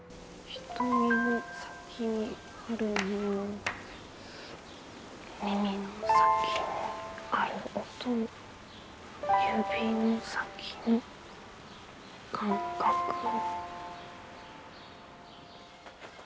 「瞳の先にあるモノを耳の先にある音を指の先の感覚を」。